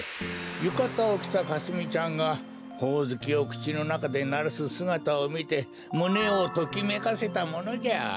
ゆかたをきたかすみちゃんがほおずきをくちのなかでならすすがたをみてむねをときめかせたものじゃ。